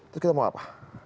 terus kita mau apa